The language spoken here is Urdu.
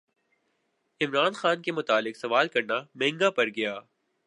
عمران خان کے متعلق سوال کرنا مہنگا پڑگیا